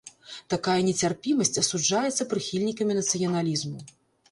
Такая нецярпімасць асуджаецца прыхільнікамі нацыяналізму.